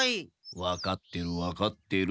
分かってる分かってる。